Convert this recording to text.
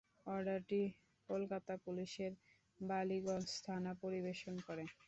ওয়ার্ডটি কলকাতা পুলিশের বালিগঞ্জ থানা পরিবেশন করে।